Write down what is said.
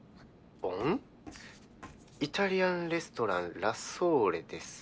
イタリアンレストランラ・ソーレですが。